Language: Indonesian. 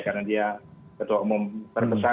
karena dia ketua umum terbesar